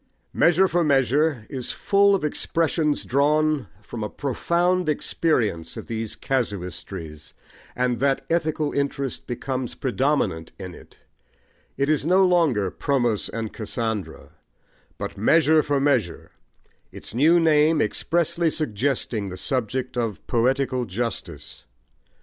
Measure for Measure is full of expressions drawn from a profound experience of these casuistries, and that ethical interest becomes predominant in it: it is no longer Promos and Cassandra, but Measure for Measure, its new name expressly suggesting the subject of poetical justice.